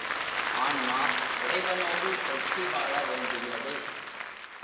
ஆன்மா இறைவனோடு ஒட்டி வாழ வேண்டியது.